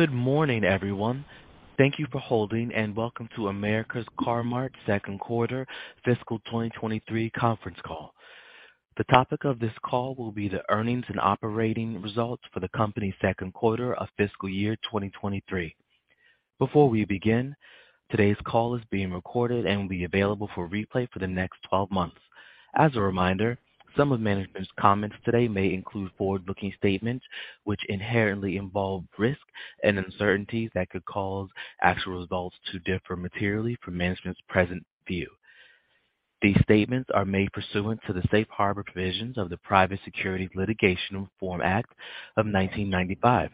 Good morning, everyone. Thank you for holding and welcome to America's Car-Mart second quarter fiscal 2023 conference call. The topic of this call will be the earnings and operating results for the company's second quarter of fiscal year 2023. Before we begin, today's call is being recorded and will be available for replay for the next 12 months. As a reminder, some of management's comments today may include forward-looking statements, which inherently involve risk and uncertainties that could cause actual results to differ materially from management's present view. These statements are made pursuant to the Safe Harbor Provisions of the Private Securities Litigation Reform Act of 1995.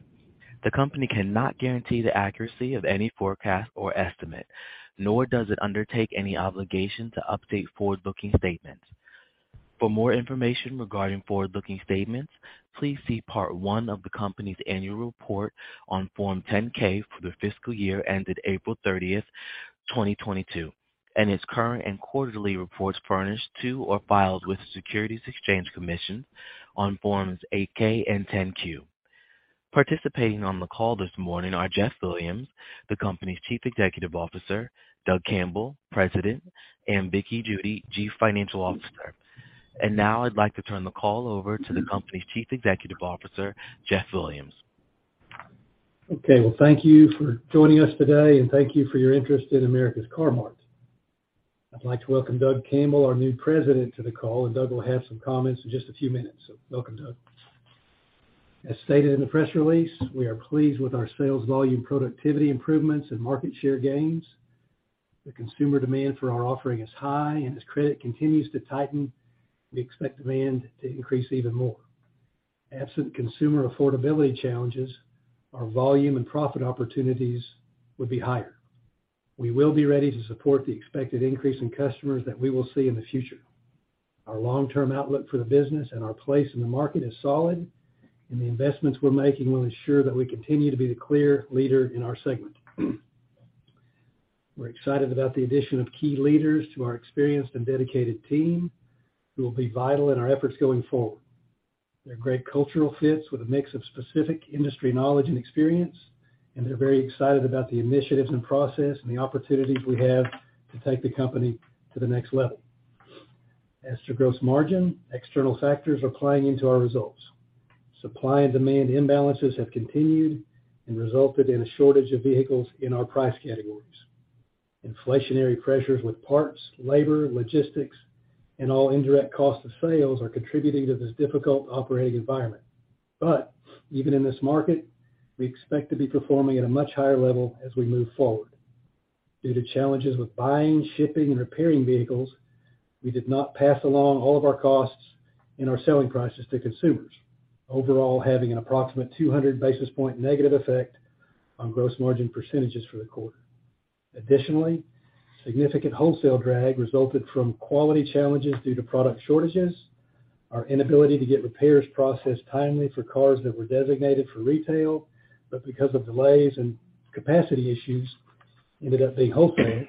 The company cannot guarantee the accuracy of any forecast or estimate, nor does it undertake any obligation to update forward-looking statements. For more information regarding forward-looking statements, please see Part One of the company's Annual Report on Form 10-K for the fiscal year ended April 30th, 2022, and its current and quarterly reports furnished to or filed with the Securities and Exchange Commission on Forms 8-K and 10-Q. Participating on the call this morning are Jeff Williams, the company's Chief Executive Officer, Doug Campbell, President, and Vickie Judy, Chief Financial Officer. Now I'd like to turn the call over to the company's Chief Executive Officer, Jeff Williams. Well, thank you for joining us today, and thank you for your interest in America's Car-Mart. I'd like to welcome Doug Campbell, our new President, to the call, and Doug will have some comments in just a few minutes. Welcome, Doug. As stated in the press release, we are pleased with our sales volume productivity improvements and market share gains. The consumer demand for our offering is high, and as credit continues to tighten, we expect demand to increase even more. Absent consumer affordability challenges, our volume and profit opportunities would be higher. We will be ready to support the expected increase in customers that we will see in the future. Our long-term outlook for the business and our place in the market is solid, and the investments we're making will ensure that we continue to be the clear leader in our segment. We're excited about the addition of key leaders to our experienced and dedicated team who will be vital in our efforts going forward. They're great cultural fits with a mix of specific industry knowledge and experience, and they're very excited about the initiatives and process and the opportunities we have to take the company to the next level. As to gross margin, external factors are playing into our results. Supply and demand imbalances have continued and resulted in a shortage of vehicles in our price categories. Inflationary pressures with parts, labor, logistics, and all indirect cost of sales are contributing to this difficult operating environment. Even in this market, we expect to be performing at a much higher level as we move forward. Due to challenges with buying, shipping, and repairing vehicles, we did not pass along all of our costs in our selling prices to consumers. Overall, having an approximate 200 basis point negative effect on gross margin % for the quarter. Additionally, significant wholesale drag resulted from quality challenges due to product shortages, our inability to get repairs processed timely for cars that were designated for retail, but because of delays and capacity issues ended up being wholesaled,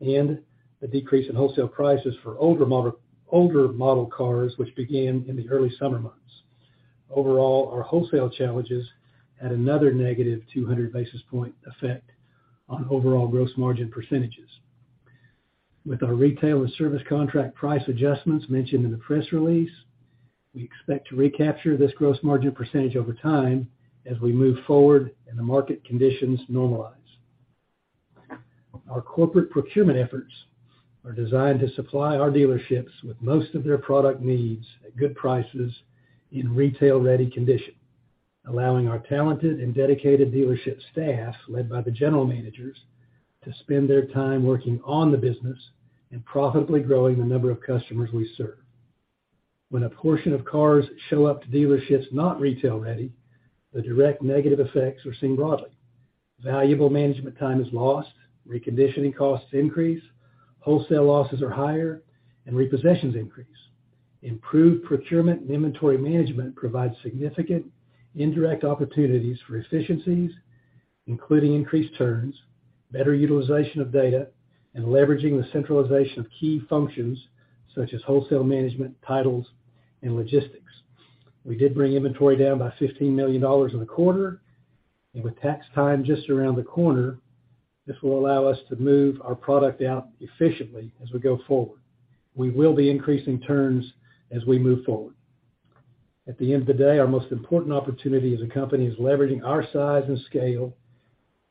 and a decrease in wholesale prices for older model cars, which began in the early summer months. Overall, our wholesale challenges had another negative 200 basis point effect on overall gross margin %. With our retail and service contract price adjustments mentioned in the press release, we expect to recapture this gross margin % over time as we move forward and the market conditions normalize. Our corporate procurement efforts are designed to supply our dealerships with most of their product needs at good prices in retail-ready condition, allowing our talented and dedicated dealership staff, led by the general managers, to spend their time working on the business and profitably growing the number of customers we serve. When a portion of cars show up to dealerships not retail ready, the direct negative effects are seen broadly. Valuable management time is lost, reconditioning costs increase, wholesale losses are higher, and repossessions increase. Improved procurement and inventory management provides significant indirect opportunities for efficiencies, including increased turns, better utilization of data, and leveraging the centralization of key functions such as wholesale management, titles, and logistics. We did bring inventory down by $15 million in the quarter, and with tax time just around the corner, this will allow us to move our product out efficiently as we go forward. We will be increasing turns as we move forward. At the end of the day, our most important opportunity as a company is leveraging our size and scale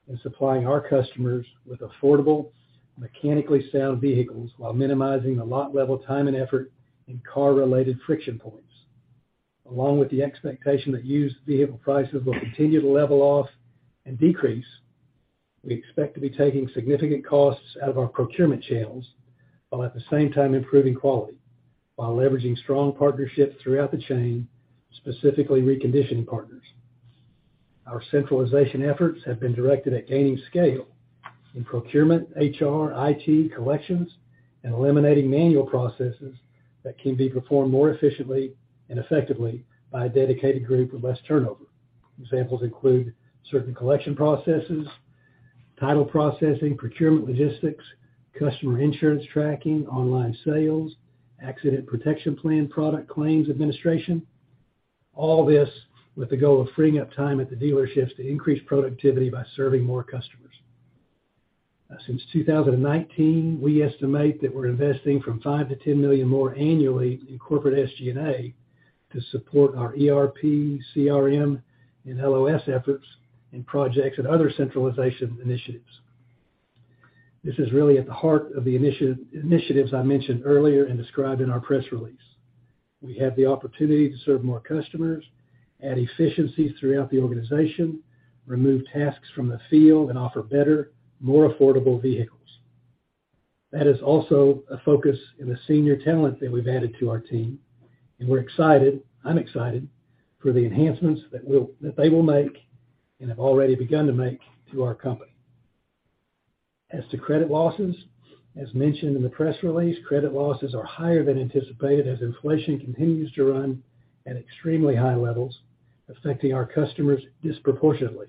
and supplying our customers with affordable, mechanically sound vehicles while minimizing the lot-level time and effort in car-related friction points. Along with the expectation that used vehicle prices will continue to level off and decrease, we expect to be taking significant costs out of our procurement channels while at the same time improving quality while leveraging strong partnerships throughout the chain, specifically reconditioning partners. Our centralization efforts have been directed at gaining scale in procurement, HR, IT, collections, and eliminating manual processes that can be performed more efficiently and effectively by a dedicated group with less turnover. Examples include certain collection processesTitle processing, procurement logistics, customer insurance tracking, online sales, accident protection plan product claims administration, all this with the goal of freeing up time at the dealerships to increase productivity by serving more customers. Since two thousand and nineteen, we estimate that we're investing from five to ten million more annually in corporate SG&A to support our ERP, CRM, and LOS efforts in projects and other centralization initiatives. This is really at the heart of the initiative- initiatives I mentioned earlier and described in our press release. We have the opportunity to serve more customers, add efficiencies throughout the organization, remove tasks from the field, and offer better, more affordable vehicles. That is also a focus in the senior talent that we've added to our team. I'm excited for the enhancements that they will make and have already begun to make to our company. As to credit losses, as mentioned in the press release, credit losses are higher than anticipated as inflation continues to run at extremely high levels, affecting our customers disproportionately.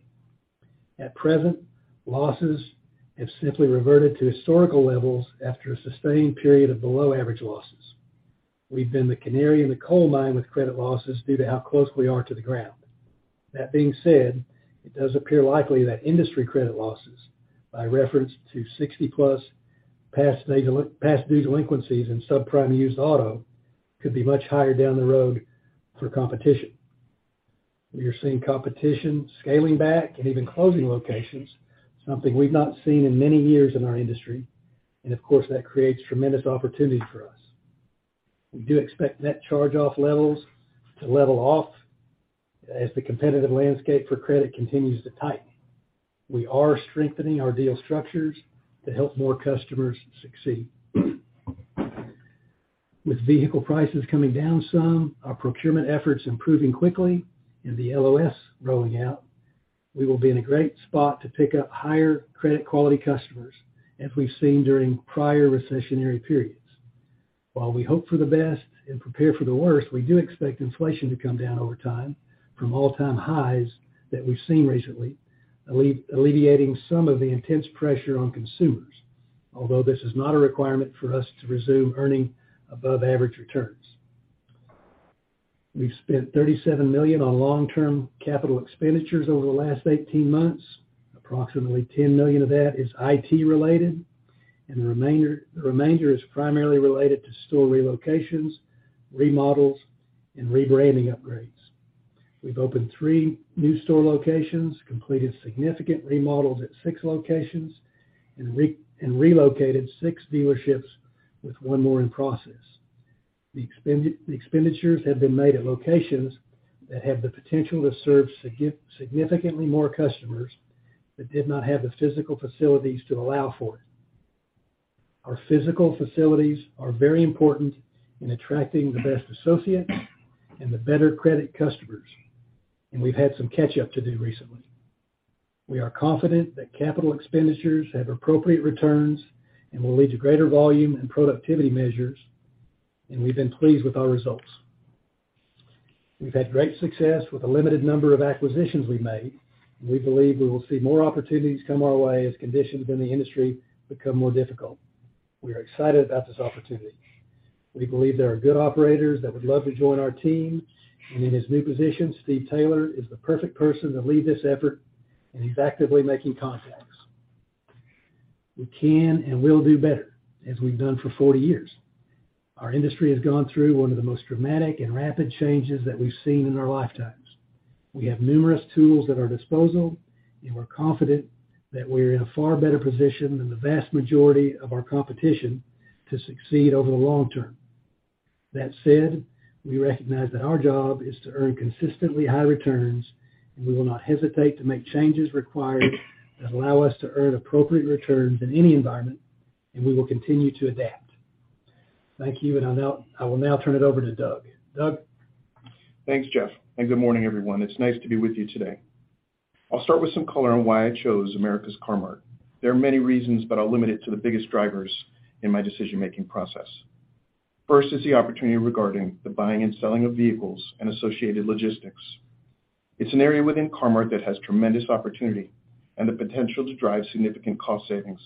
At present, losses have simply reverted to historical levels after a sustained period of below-average losses. We've been the canary in the coal mine with credit losses due to how close we are to the ground. That being said, it does appear likely that industry credit losses, by reference to 60+ past due delinquencies in subprime used auto, could be much higher down the road for competition. We are seeing competition scaling back and even closing locations, something we've not seen in many years in our industry, and of course, that creates tremendous opportunities for us. We do expect net charge-off levels to level off as the competitive landscape for credit continues to tighten. We are strengthening our deal structures to help more customers succeed. With vehicle prices coming down some, our procurement efforts improving quickly, and the LOS rolling out, we will be in a great spot to pick up higher credit quality customers, as we've seen during prior recessionary periods. While we hope for the best and prepare for the worst, we do expect inflation to come down over time from all-time highs that we've seen recently, alleviating some of the intense pressure on consumers, although this is not a requirement for us to resume earning above-average returns. We've spent $37 million on long-term capital expenditures over the last 18 months. Approximately $10 million of that is IT-related, and the remainder is primarily related to store relocations, remodels, and rebranding upgrades. We've opened three new store locations, completed significant remodels at six locations, and relocated six dealerships with one more in process. The expenditures have been made at locations that have the potential to serve significantly more customers, but did not have the physical facilities to allow for it. Our physical facilities are very important in attracting the best associates and the better credit customers, and we've had some catch-up to do recently. We are confident that capital expenditures have appropriate returns and will lead to greater volume and productivity measures, and we've been pleased with our results. We've had great success with the limited number of acquisitions we made. We believe we will see more opportunities come our way as conditions in the industry become more difficult. We are excited about this opportunity. We believe there are good operators that would love to join our team. In his new position, Steve Taylor is the perfect person to lead this effort, and he's actively making contacts. We can and will do better as we've done for 40 years. Our industry has gone through one of the most dramatic and rapid changes that we've seen in our lifetimes. We have numerous tools at our disposal, and we're confident that we're in a far better position than the vast majority of our competition to succeed over the long term. That said, we recognize that our job is to earn consistently high returns, and we will not hesitate to make changes required that allow us to earn appropriate returns in any environment, and we will continue to adapt. Thank you, and I will now turn it over to Doug. Doug? Thanks, Jeff, and good morning, everyone. It's nice to be with you today. I'll start with some color on why I chose America's Car-Mart. There are many reasons, but I'll limit it to the biggest drivers in my decision-making process. First is the opportunity regarding the buying and selling of vehicles and associated logistics. It's an area within Car-Mart that has tremendous opportunity and the potential to drive significant cost savings.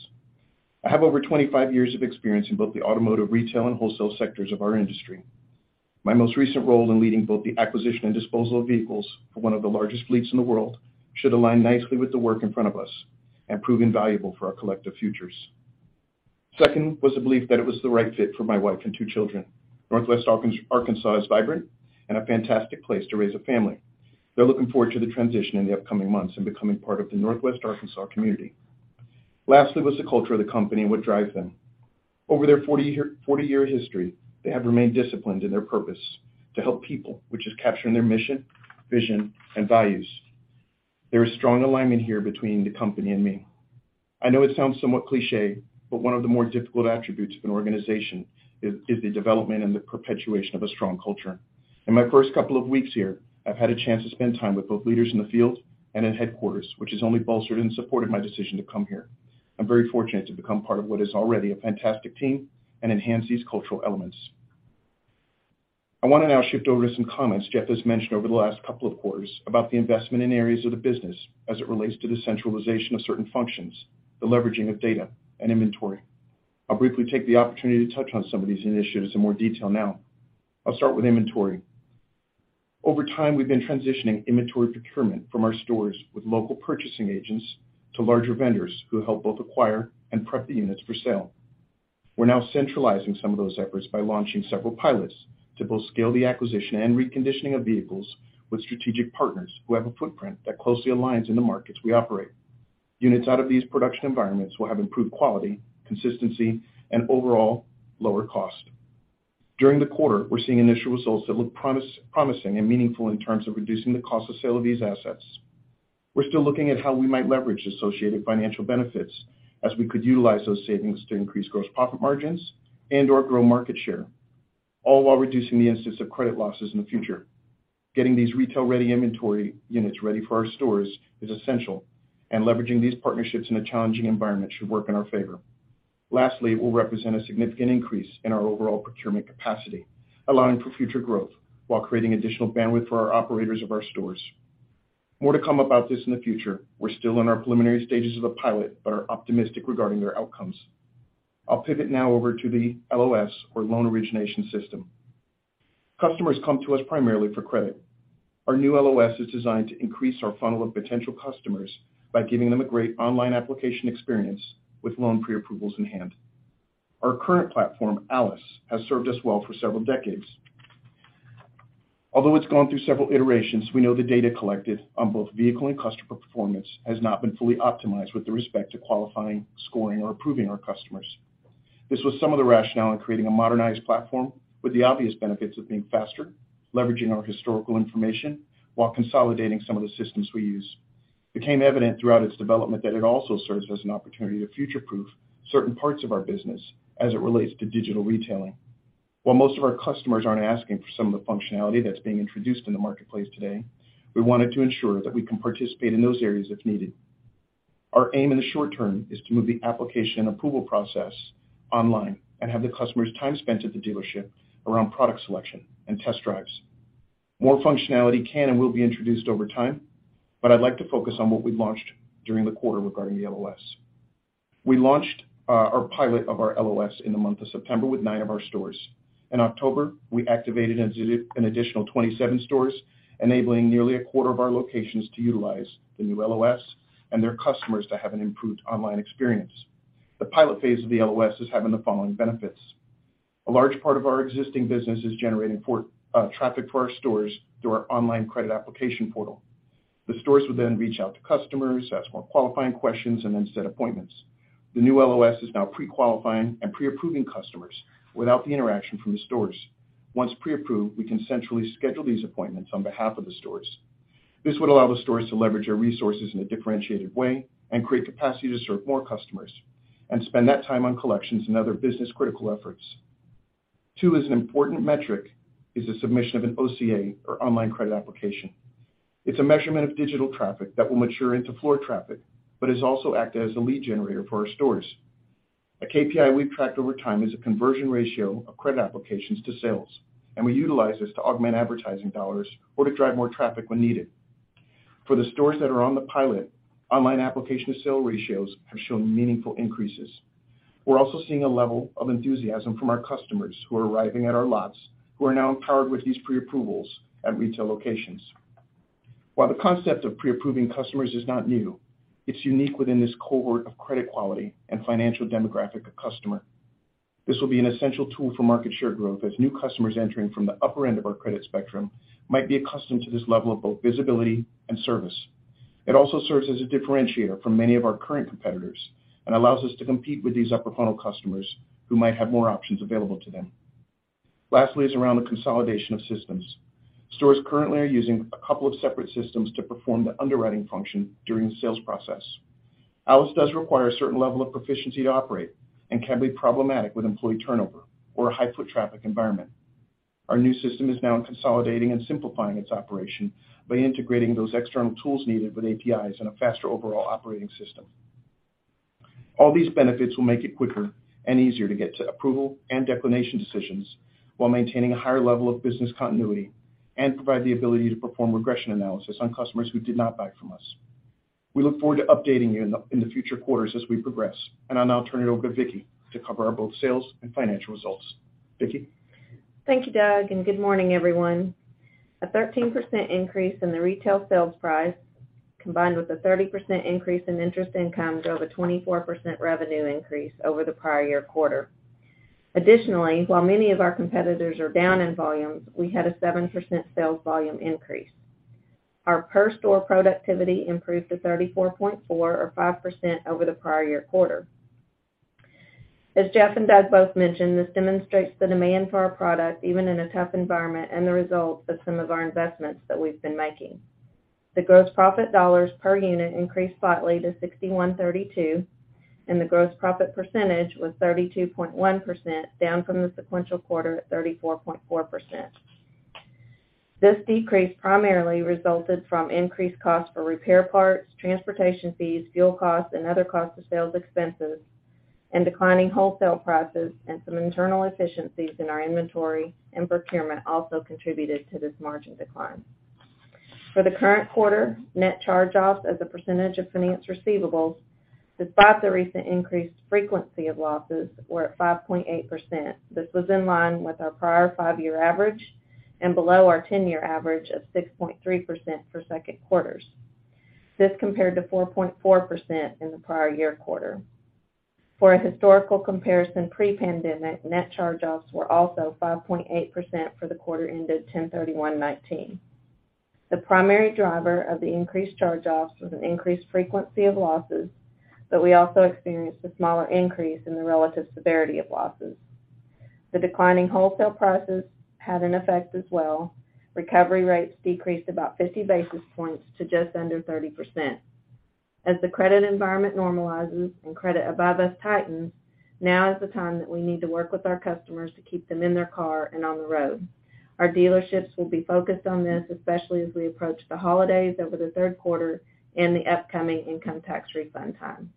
I have over 25 years of experience in both the automotive retail and wholesale sectors of our industry. My most recent role in leading both the acquisition and disposal of vehicles for one of the largest fleets in the world should align nicely with the work in front of us and prove invaluable for our collective futures. Second was the belief that it was the right fit for my wife and two children. Northwest Arkansas is vibrant and a fantastic place to raise a family. They're looking forward to the transition in the upcoming months and becoming part of the Northwest Arkansas community. Lastly, was the culture of the company and what drives them. Over their 40-year history, they have remained disciplined in their purpose to help people, which is capturing their mission, vision, and values. There is strong alignment here between the company and me. I know it sounds somewhat cliché, but one of the more difficult attributes of an organization is the development and the perpetuation of a strong culture. In my first couple of weeks here, I've had a chance to spend time with both leaders in the field and in headquarters, which has only bolstered and supported my decision to come here. I'm very fortunate to become part of what is already a fantastic team and enhance these cultural elements. I want to now shift over some comments Jeff has mentioned over the last couple of quarters about the investment in areas of the business as it relates to the centralization of certain functions, the leveraging of data and inventory. I'll briefly take the opportunity to touch on some of these initiatives in more detail now. I'll start with inventory. Over time, we've been transitioning inventory procurement from our stores with local purchasing agents to larger vendors who help both acquire and prep the units for sale. We're now centralizing some of those efforts by launching several pilots to both scale the acquisition and reconditioning of vehicles with strategic partners who have a footprint that closely aligns in the markets we operate. Units out of these production environments will have improved quality, consistency, and overall lower cost. During the quarter, we're seeing initial results that look promising and meaningful in terms of reducing the cost of sale of these assets. We're still looking at how we might leverage associated financial benefits as we could utilize those savings to increase gross profit margins and/or grow market share, all while reducing the instance of credit losses in the future. Getting these retail-ready inventory units ready for our stores is essential, and leveraging these partnerships in a challenging environment should work in our favor. Lastly, it will represent a significant increase in our overall procurement capacity, allowing for future growth while creating additional bandwidth for our operators of our stores. More to come about this in the future. We're still in our preliminary stages of the pilot, but are optimistic regarding their outcomes. I'll pivot now over to the LOS, or loan origination system. Customers come to us primarily for credit. Our new LOS is designed to increase our funnel of potential customers by giving them a great online application experience with loan preapprovals in hand. Our current platform, ALIS, has served us well for several decades. Although it's gone through several iterations, we know the data collected on both vehicle and customer performance has not been fully optimized with the respect to qualifying, scoring, or approving our customers. This was some of the rationale in creating a modernized platform with the obvious benefits of being faster, leveraging our historical information while consolidating some of the systems we use. It became evident throughout its development that it also serves as an opportunity to future-proof certain parts of our business as it relates to digital retailing. While most of our customers aren't asking for some of the functionality that's being introduced in the marketplace today, we wanted to ensure that we can participate in those areas if needed. Our aim in the short term is to move the application and approval process online and have the customers' time spent at the dealership around product selection and test drives. More functionality can and will be introduced over time, but I'd like to focus on what we've launched during the quarter regarding the LOS. We launched our pilot of our LOS in the month of September with nine of our stores. In October, we activated an additional 27 stores, enabling nearly a quarter of our locations to utilize the new LOS and their customers to have an improved online experience. The pilot phase of the LOS is having the following benefits. A large part of our existing business is generating floor traffic to our stores through our online credit application portal. The stores would then reach out to customers, ask more qualifying questions, and then set appointments. The new LOS is now prequalifying and preapproving customers without the interaction from the stores. Once preapproved, we can centrally schedule these appointments on behalf of the stores. This would allow the stores to leverage their resources in a differentiated way and create capacity to serve more customers and spend that time on collections and other business-critical efforts. Two, an important metric, is the submission of an OCA, or online credit application. It's a measurement of digital traffic that will mature into floor traffic, but has also acted as a lead generator for our stores. A KPI we've tracked over time is a conversion ratio of credit applications to sales, and we utilize this to augment advertising dollars or to drive more traffic when needed. For the stores that are on the pilot, online application to sale ratios have shown meaningful increases. We're also seeing a level of enthusiasm from our customers who are arriving at our lots, who are now empowered with these preapprovals at retail locations. While the concept of preapproving customers is not new, it's unique within this cohort of credit quality and financial demographic of customer. This will be an essential tool for market share growth, as new customers entering from the upper end of our credit spectrum might be accustomed to this level of both visibility and service. It also serves as a differentiator from many of our current competitors and allows us to compete with these upper funnel customers who might have more options available to them. Lastly is around the consolidation of systems. Stores currently are using a couple of separate systems to perform the underwriting function during the sales process. ALIS does require a certain level of proficiency to operate and can be problematic with employee turnover or a high foot traffic environment. Our new system is now consolidating and simplifying its operation by integrating those external tools needed with APIs and a faster overall operating system. All these benefits will make it quicker and easier to get to approval and declination decisions while maintaining a higher level of business continuity and provide the ability to perform regression analysis on customers who did not buy from us. We look forward to updating you in the future quarters as we progress. I'll now turn it over to Vickie to cover our both sales and financial results. Vickie? Thank you, Doug, and good morning, everyone. A 13% increase in the retail sales price, combined with a 30% increase in interest income, drove a 24% revenue increase over the prior-year quarter. Additionally, while many of our competitors are down in volumes, we had a 7% sales volume increase. Our per-store productivity improved to 34.4, or 5% over the prior-year quarter. As Jeff and Doug both mentioned, this demonstrates the demand for our product, even in a tough environment, and the results of some of our investments that we've been making. The gross profit dollars per unit increased slightly to $6,132, and the gross profit percentage was 32.1%, down from the sequential quarter at 34.4%. This decrease primarily resulted from increased costs for repair parts, transportation fees, fuel costs, other costs of sales expenses, and declining wholesale prices, and some internal efficiencies in our inventory, and procurement also contributed to this margin decline. For the current quarter, net charge-offs as a percentage of finance receivables, despite the recent increased frequency of losses, were at 5.8%. This was in line with our prior five-year average and below our 10-year average of 6.3% for second quarters. This compared to 4.4% in the prior year quarter. For a historical comparison pre-pandemic, net charge-offs were also 5.8% for the quarter ended 10/31/2019. The primary driver of the increased charge-offs was an increased frequency of losses, but we also experienced a smaller increase in the relative severity of losses. The declining wholesale prices had an effect as well. Recovery rates decreased about 50 basis points to just under 30%. As the credit environment normalizes and credit above us tightens, now is the time that we need to work with our customers to keep them in their car and on the road. Our dealerships will be focused on this, especially as we approach the holidays over the third quarter and the upcoming income tax refund time.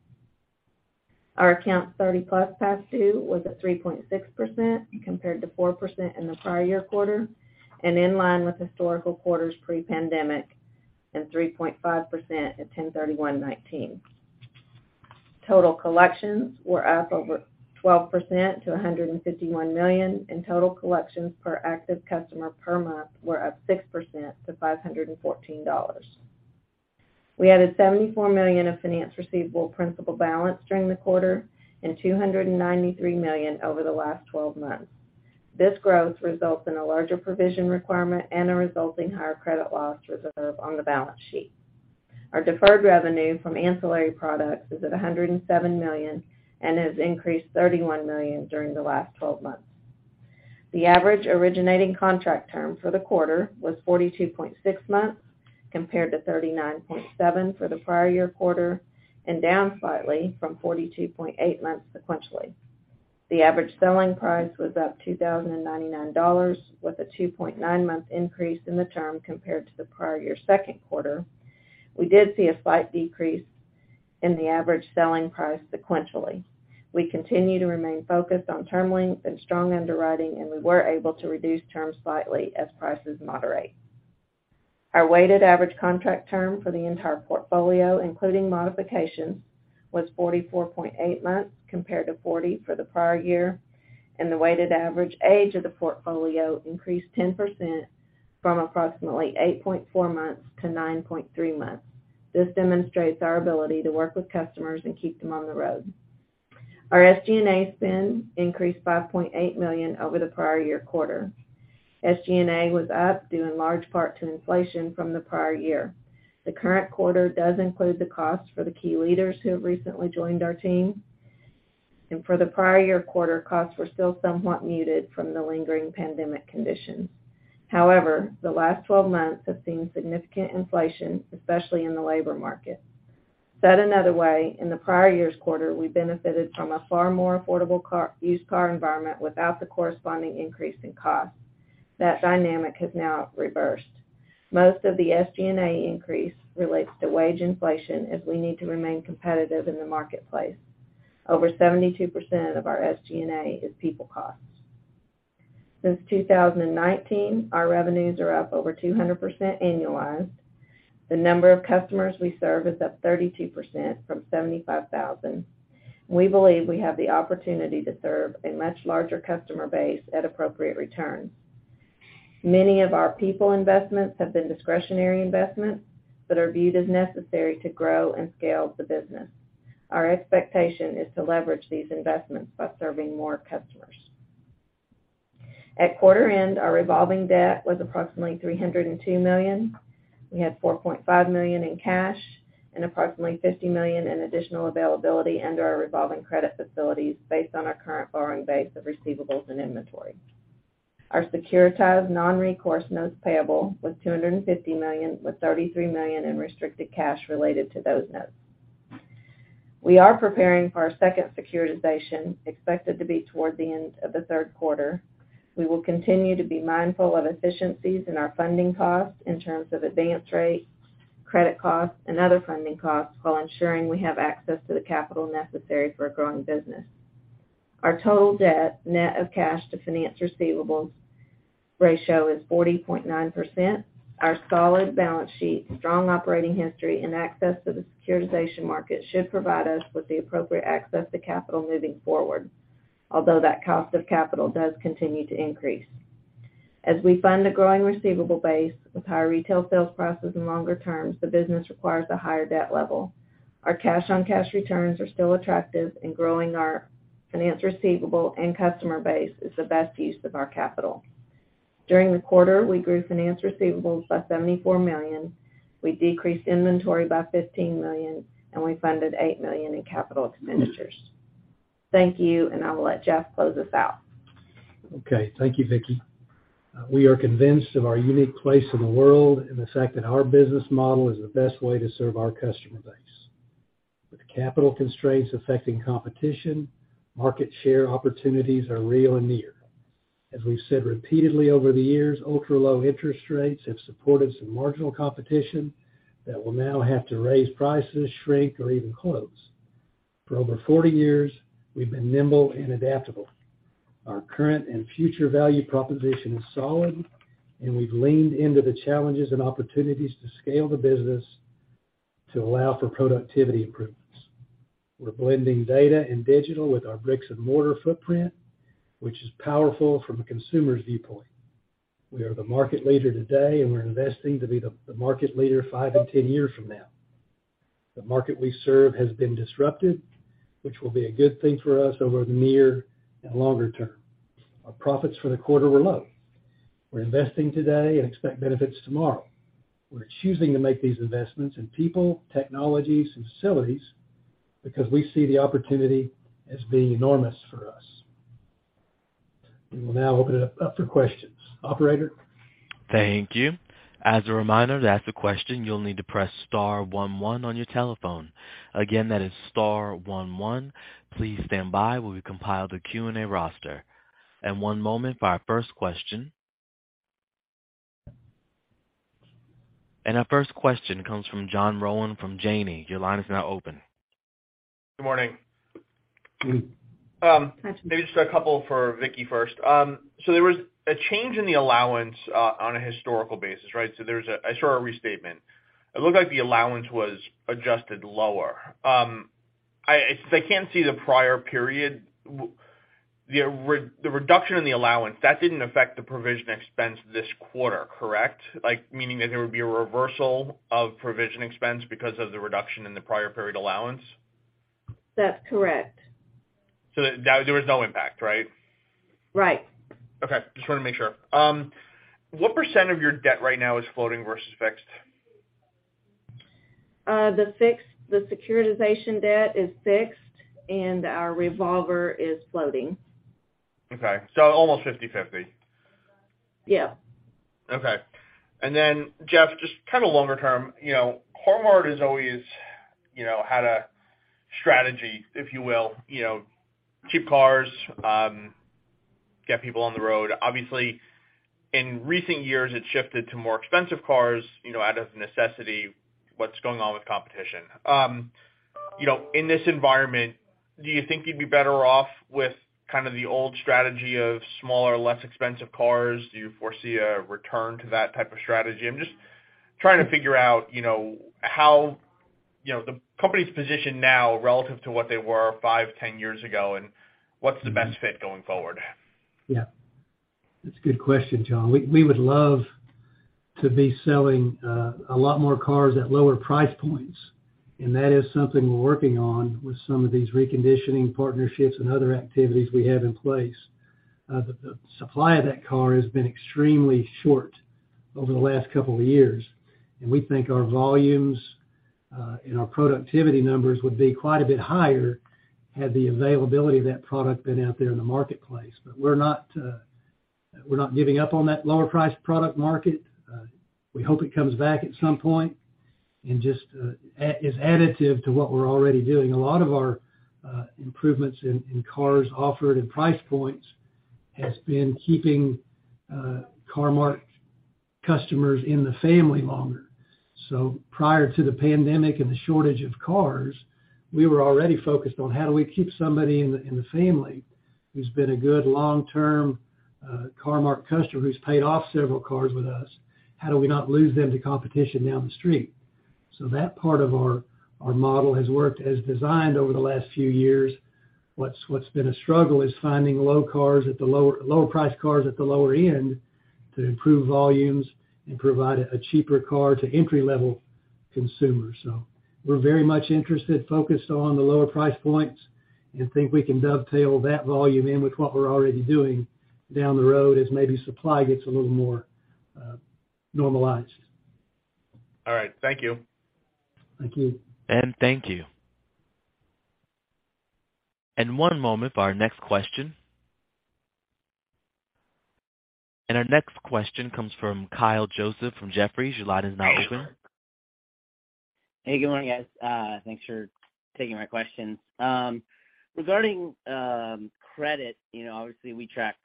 Our account 30-plus past due was at 3.6% compared to 4% in the prior year quarter and in line with historical quarters pre-pandemic and 3.5% at 10/31/2019. Total collections were up over 12% to $151 million, and total collections per active customer per month were up 6% to $514. We added $74 million of finance receivable principal balance during the quarter and $293 million over the last 12 months. This growth results in a larger provision requirement and a resulting higher credit loss reserve on the balance sheet. Our deferred revenue from ancillary products is at $107 million and has increased $31 million during the last 12 months. The average originating contract term for the quarter was 42.6 months, compared to 39.7 for the prior year quarter, and down slightly from 42.8 months sequentially. The average selling price was up $2,099, with a 2.9-month increase in the term compared to the prior year second quarter. We did see a slight decrease in the average selling price sequentially. We continue to remain focused on term length and strong underwriting, and we were able to reduce terms slightly as prices moderate. Our weighted average contract term for the entire portfolio, including modifications, was 44.8 months compared to 40 for the prior year, and the weighted average age of the portfolio increased 10% from approximately 8.4 months to 9.3 months. This demonstrates our ability to work with customers and keep them on the road. Our SG&A spend increased $5.8 million over the prior year quarter. SG&A was up due in large part to inflation from the prior year. The current quarter does include the cost for the key leaders who have recently joined our team. For the prior year quarter, costs were still somewhat muted from the lingering pandemic conditions. However, the last 12 months have seen significant inflation, especially in the labor market. Said another way, in the prior year's quarter, we benefited from a far more affordable used car environment without the corresponding increase in cost. That dynamic has now reversed. Most of the SG&A increase relates to wage inflation as we need to remain competitive in the marketplace. Over 72% of our SG&A is people costs. Since 2019, our revenues are up over 200% annualized. The number of customers we serve is up 32% from 75,000. We believe we have the opportunity to serve a much larger customer base at appropriate returns. Many of our people investments have been discretionary investments that are viewed as necessary to grow and scale the business. Our expectation is to leverage these investments by serving more customers. At quarter end, our revolving debt was approximately $302 million. We had $4.5 million in cash and approximately $50 million in additional availability under our revolving credit facilities based on our current borrowing base of receivables and inventory. Our securitized non-recourse notes payable was $250 million, with $33 million in restricted cash related to those notes. We are preparing for our second securitization, expected to be toward the end of the third quarter. We will continue to be mindful of efficiencies in our funding costs in terms of advance rates, credit costs, and other funding costs while ensuring we have access to the capital necessary for a growing business. Our total debt, net of cash to finance receivables ratio, is 40.9%. Our solid balance sheet, strong operating history, and access to the securitization market should provide us with the appropriate access to capital moving forward. Although that cost of capital does continue to increase. As we fund a growing receivable base with higher retail sales prices and longer terms, the business requires a higher debt level. Our cash-on-cash returns are still attractive, and growing our finance receivable and customer base is the best use of our capital. During the quarter, we grew finance receivables by $74 million, we decreased inventory by $15 million, and we funded $8 million in capital expenditures. Thank you, and I will let Jeff close us out. Thank you, Vickie. We are convinced of our unique place in the world and the fact that our business model is the best way to serve our customer base. With capital constraints affecting competition, market share opportunities are real and near. As we've said repeatedly over the years, ultra-low interest rates have supported some marginal competition that will now have to raise prices, shrink, or even close. For over 40 years, we've been nimble and adaptable. Our current and future value proposition is solid, and we've leaned into the challenges and opportunities to scale the business to allow for productivity improvements. We're blending data and digital with our bricks and mortar footprint, which is powerful from a consumer's viewpoint. We are the market leader today, and we're investing to be the market leader five and 10 years from now. The market we serve has been disrupted, which will be a good thing for us over the near and longer term. Our profits for the quarter were low. We're investing today and expect benefits tomorrow. We're choosing to make these investments in people, technologies, facilities because we see the opportunity as being enormous for us. We will now open it up for questions. Operator? Thank you. As a reminder, to ask a question, you'll need to press star one one on your telephone. Again, that is star one one. Please stand by while we compile the Q&A roster. One moment for our first question. Our first question comes from John Rowan from Janney. Your line is now open. Good morning. Good morning. Maybe just a couple for Vickie first. There was a change in the allowance on a historical basis, right? I saw a restatement. It looked like the allowance was adjusted lower. Since I can't see the prior period, the reduction in the allowance, that didn't affect the provision expense this quarter, correct? Like, meaning that there would be a reversal of provision expense because of the reduction in the prior period allowance. That's correct. There was no impact, right? Right. Okay. Just wanted to make sure. What % of your debt right now is floating versus fixed? The securitization debt is fixed, and our revolver is floating. Okay. Almost 50/50. Yeah. Okay. Jeff, just kinda longer term, you know, Car-Mart has always, you know, had a strategy, if you will, you know, cheap cars, get people on the road. Obviously, in recent years, it shifted to more expensive cars, you know, out of necessity. What's going on with competition? You know, in this environment, do you think you'd be better off with kind of the old strategy of smaller, less expensive cars? Do you foresee a return to that type of strategy? I'm just trying to figure out, you know, how, you know, the company's position now relative to what they were five, 10 years ago, and what's the best fit going forward? Yeah. That's a good question, John. We would love to be selling a lot more cars at lower price points, and that is something we're working on with some of these reconditioning partnerships and other activities we have in place. The supply of that car has been extremely short over the last couple of years. We think our volumes and our productivity numbers would be quite a bit higher had the availability of that product been out there in the marketplace. We're not giving up on that lower priced product market. We hope it comes back at some point and just as additive to what we're already doing. A lot of our improvements in cars offered and price points has been keeping Car-Mart customers in the family longer. Prior to the pandemic and the shortage of cars, we were already focused on how do we keep somebody in the family who's been a good long-term Car-Mart customer who's paid off several cars with us. How do we not lose them to competition down the street? That part of our model has worked as designed over the last few years. What's been a struggle is finding low-priced cars at the lower end to improve volumes and provide a cheaper car to entry-level consumers. We're very much interested, focused on the lower price points and think we can dovetail that volume in with what we're already doing down the road as maybe supply gets a little more normalized. All right. Thank you. Thank you. Thank you. One moment for our next question. Our next question comes from Kyle Joseph from Jefferies. Your line is now open. Hey, good morning, guys. Uh, thanks for taking my questions. Um, regarding, um, credit, you know, obviously, we track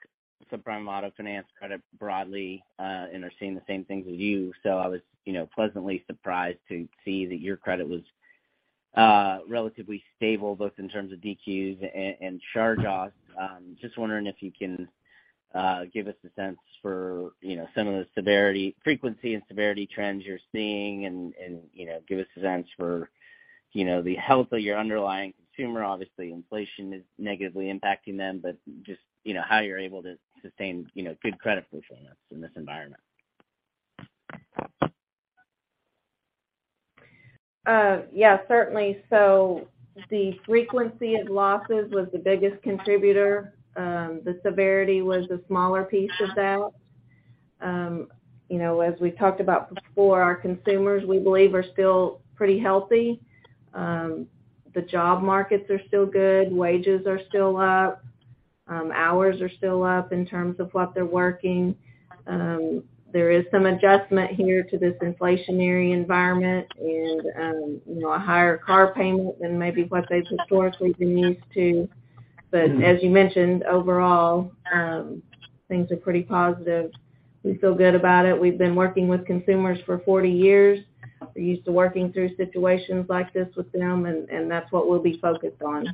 subprime auto finance credit broadly, uh, and are seeing the same things as you. So I was, you know, pleasantly surprised to see that your credit was, uh, relatively stable, both in terms of DQs a-and charge-offs. Um, just wondering if you can, uh, give us a sense for, you know, some of the severity, frequency and severity trends you're seeing and, you know, give a sense for, you know, the health of your underlying consumer. Obviously, inflation is negatively impacting them, but just, you know, how you're able to sustain, you know, good credit performance in this environment. Yeah, certainly. The frequency of losses was the biggest contributor. The severity was the smaller piece of that. You know, as we talked about before, our consumers, we believe, are still pretty healthy. The job markets are still good, wages are still up. Hours are still up in terms of what they're working. There is some adjustment here to this inflationary environment and you know, a higher car payment than maybe what they've historically been used to. As you mentioned, overall, things are pretty positive. We feel good about it. We've been working with consumers for 40 years. We're used to working through situations like this with them, and that's what we'll be focused on.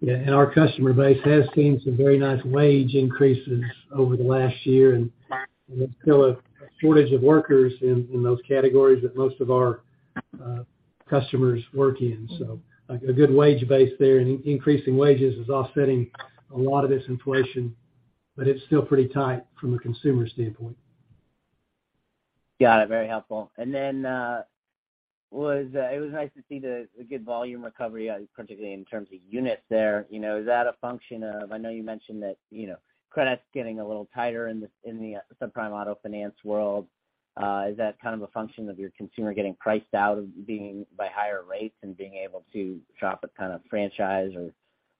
Yeah. Our customer base has seen some very nice wage increases over the last year, and there's still a shortage of workers in those categories that most of our customers work in. A good wage base there, and increasing wages is offsetting a lot of this inflation, but it's still pretty tight from a consumer standpoint. Got it. Very helpful. It was nice to see the good volume recovery, particularly in terms of units there. You know, I know you mentioned that, you know, credit's getting a little tighter in the subprime auto finance world. Is that kind of a function of your consumer getting priced out of buying by higher rates and being able to shop at kind of franchise or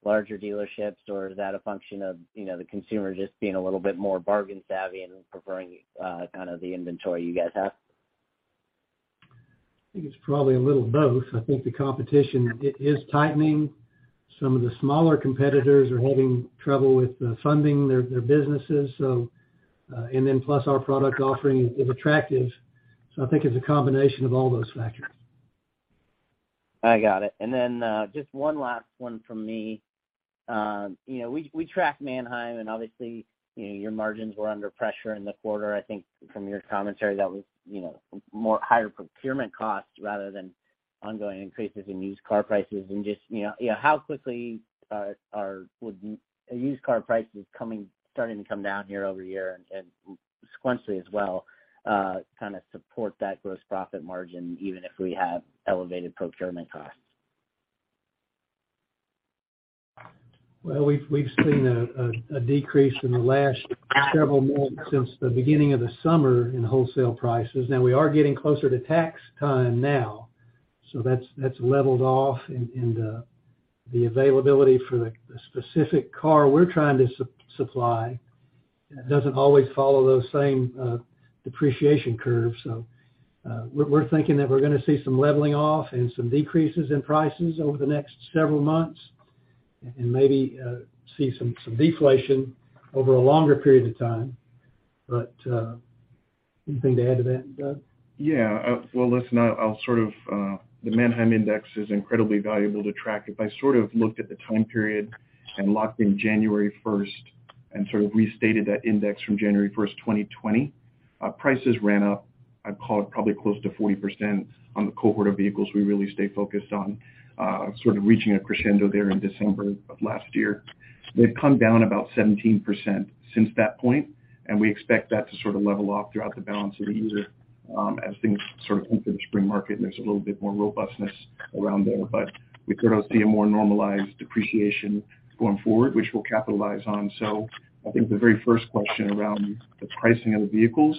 larger dealerships? Is that a function of, you know, the consumer just being a little bit more bargain savvy and preferring kind of the inventory you guys have? I think it's probably a little both. I think the competition is tightening. Some of the smaller competitors are having trouble with funding their businesses. Plus our product offering is attractive. I think it's a combination of all those factors. I got it. Just one last one from me. You know, we track Manheim, and obviously, you know, your margins were under pressure in the quarter. I think from your commentary that was, you know, more higher procurement costs rather than ongoing increases in used car prices. Just, you know, how quickly would used car prices starting to come down year-over-year and sequentially as well kind of support that gross profit margin even if we have elevated procurement costs? Well, we've seen a decrease in the last several months since the beginning of the summer in wholesale prices. Now we are getting closer to tax time now, so that's leveled off, and the availability for the specific car we're trying to supply doesn't always follow those same depreciation curves. We're thinking that we're gonna see some leveling off and some decreases in prices over the next several months and maybe see some deflation over a longer period of time. Anything to add to that, Doug? Yeah. Well, listen, the Manheim Index is incredibly valuable to track. If I sort of looked at the time period and locked in January 1st and sort of restated that index from January 1st, 2020, prices ran up, I'd call it probably close to 40% on the cohort of vehicles we really stay focused on, sort of reaching a crescendo there in December of last year. They've come down about 17% since that point, and we expect that to sort of level off throughout the balance of the year as things sort of enter the spring market and there's a little bit more robustness around there. We could see a more normalized depreciation going forward, which we'll capitalize on. I think the very first question around the pricing of the vehicles,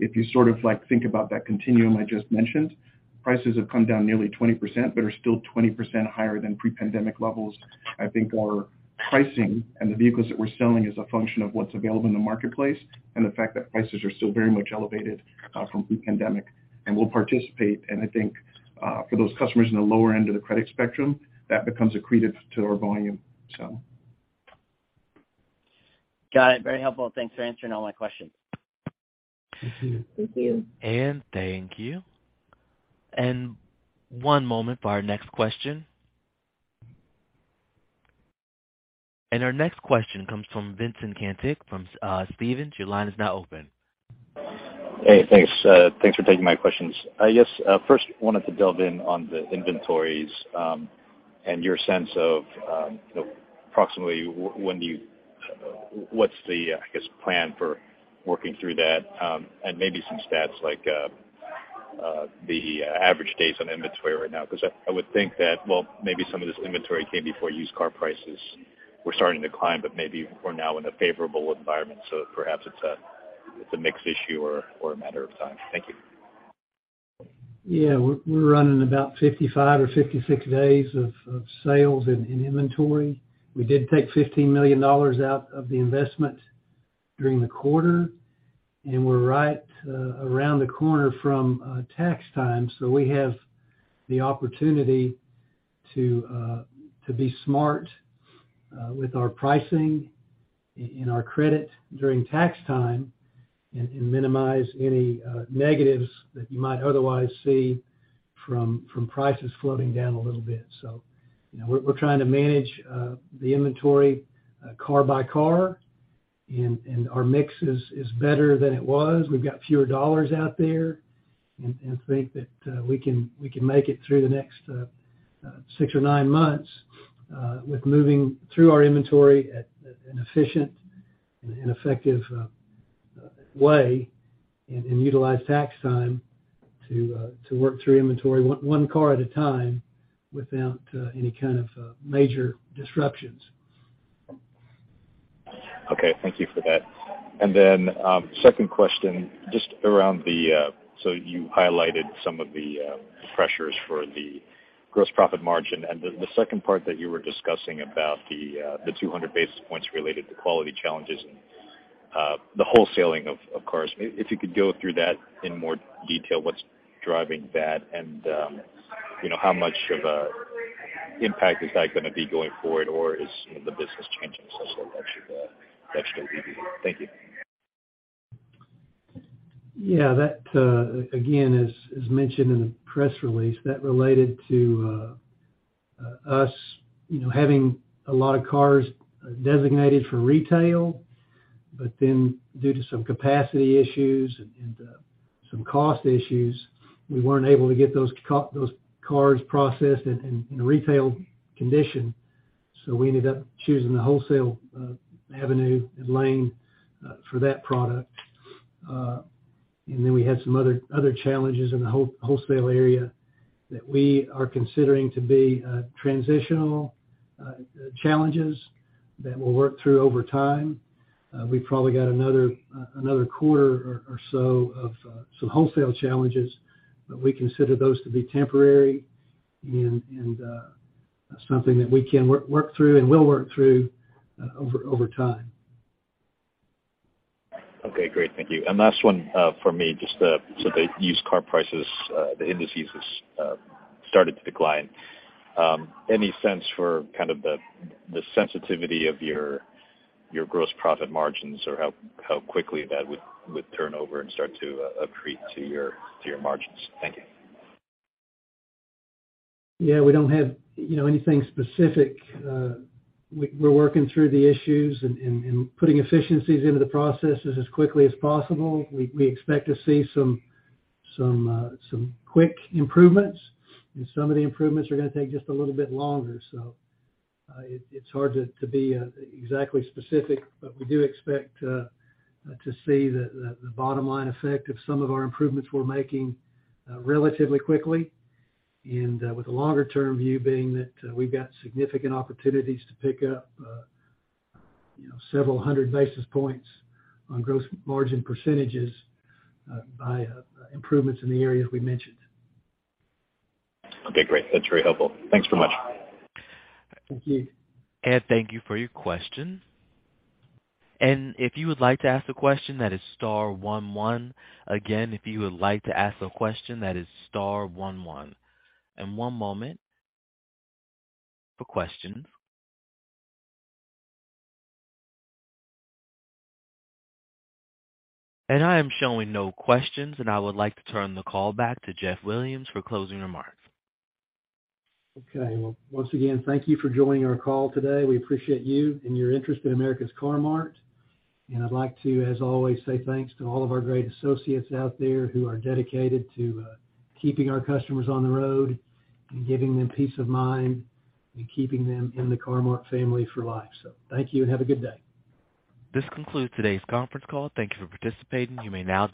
if you sort of like think about that continuum I just mentioned, prices have come down nearly 20% but are still 20% higher than pre-pandemic levels. I think our pricing and the vehicles that we're selling is a function of what's available in the marketplace and the fact that prices are still very much elevated from pre-pandemic. We'll participate, and I think for those customers in the lower end of the credit spectrum, that becomes accretive to our volume. Got it. Very helpful. Thanks for answering all my questions. Thank you. Thank you. Thank you. One moment for our next question. Our next question comes from Vincent Caintic from Stephens. Your line is now open. Hey, thanks. Thanks for taking my questions. I guess first wanted to delve in on the inventories and your sense of, you know, approximately what's the, I guess, plan for working through that and maybe some stats like the average days on inventory right now? 'Cause I would think that, well, maybe some of this inventory came before used car prices were starting to climb, but maybe we're now in a favorable environment, so perhaps it's a mixed issue or a matter of time. Thank you. Yeah. We're running about 55 or 56 days of sales in inventory. We did take $15 million out of the investment during the quarter, and we're right around the corner from tax time. We have the opportunity to be smart with our pricing and our credit during tax time and minimize any negatives that you might otherwise see from prices floating down a little bit. You know, we're trying to manage the inventory car by car and our mix is better than it was. We've got fewer dollars out there and think that we can make it through the next six or nine months with moving through our inventory at an efficient and effective way and utilize tax time to work through inventory one car at a time without any kind of major disruptions. Okay. Thank you for that. Second question, you highlighted some of the pressures for the gross profit margin. The second part that you were discussing about the 200 basis points related to quality challenges and the wholesaling of cars, if you could go through that in more detail, what's driving that, and, you know, how much of a impact is that gonna be going forward or is, you know, the business changing so that should leave you? Thank you. Yeah, that again, as mentioned in the press release, that related to us, you know, having a lot of cars designated for retail. Due to some capacity issues and some cost issues, we weren't able to get those cars processed in retail condition, so we ended up choosing the wholesale avenue and lane for that product. We had some other challenges in the wholesale area that we are considering to be transitional challenges that we'll work through over time. We've probably got another quarter or so of some wholesale challenges, but we consider those to be temporary and something that we can work through and will work through over time. Okay, great. Thank you. Last one for me, just the used car prices, the indices has started to decline. Any sense for kind of the sensitivity of your gross profit margins or how quickly that would turn over and start to accrete to your margins? Thank you. Yeah, we don't have, you know, anything specific. We're working through the issues and putting efficiencies into the processes as quickly as possible. We expect to see some quick improvements, and some of the improvements are gonna take just a little bit longer. It's hard to be exactly specific, but we do expect to see the bottom-line effect of some of our improvements we're making relatively quickly. With the longer-term view being that we've got significant opportunities to pick up, you know, several hundred basis points on gross margin percentages by improvements in the areas we mentioned. Okay, great. That's very helpful. Thanks so much. Thank you. Thank you for your question. If you would like to ask a question, that is star one one. Again, if you would like to ask a question, that is star one one. One moment for questions. I am showing no questions, and I would like to turn the call back to Jeff Williams for closing remarks. Okay. Well, once again, thank you for joining our call today. We appreciate you and your interest in America's Car-Mart. I'd like to, as always, say thanks to all of our great associates out there who are dedicated to keeping our customers on the road and giving them peace of mind and keeping them in the Car-Mart family for life. Thank you and have a good day. This concludes today's conference call. Thank you for participating. You may now disconnect.